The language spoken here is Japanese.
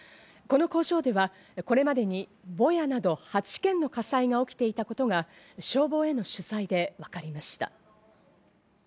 この工場ではこれまでに、ぼやなど８件の火災が起きていたことが消防への取材でわかりました。